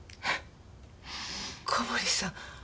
小堀さん。